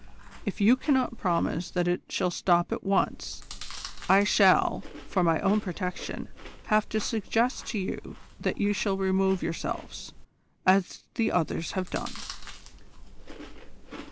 If you cannot promise that it shall stop at once I shall, for my own protection, have to suggest to you that you shall remove yourselves, as the others have done."